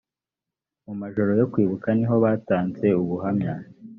mu majoro yo kwibuka niho batanze ubuhamya